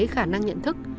khả năng nhận thức